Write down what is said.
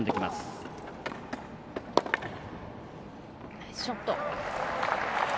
ナイスショット。